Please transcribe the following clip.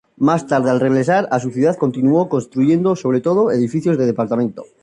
Más tarde, al regresar a su ciudad, continuó construyendo sobre todo edificios de departamentos.